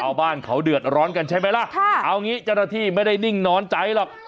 เอาบ้านเขาเดือดร้อนกันใช่ไหมล่ะเอางี้จรภิไม่ได้นิ่งนอนใจหรอก